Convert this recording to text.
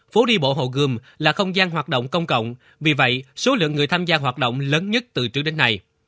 phố đi bộ hồ gươm là không gian hoạt động công cộng vì vậy số lượng người tham gia hoạt động lớn nhất từ trước đến nay